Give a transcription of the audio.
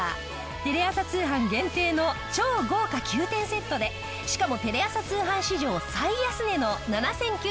テレ朝通販限定の超豪華９点セットでしかもテレ朝通販史上最安値の７９８０円！